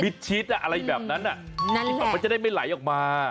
มิดชิดอ่ะอะไรแบบนั้นอ่ะนั่นแหละมันจะได้ไม่ไหลออกมา